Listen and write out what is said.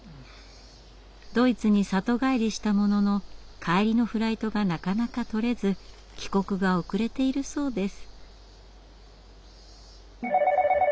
ドイツに里帰りしたものの帰りのフライトがなかなか取れず帰国が遅れているそうです。